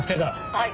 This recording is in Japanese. はい。